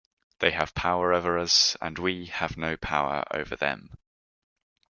They have power over us, and we have no power over them.